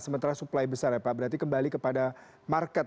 sementara supply besar ya pak berarti kembali kepada market